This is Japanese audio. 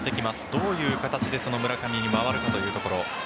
どういう形で村上に回るかというところ。